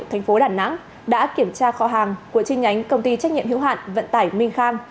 thành phố đà nẵng đã kiểm tra kho hàng của chi nhánh công ty trách nhiệm hiếu hạn vận tải minh khang